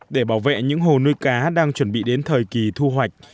để bảo vệ những hồ nuôi cá đang chuẩn bị đến thời kỳ thu hoạch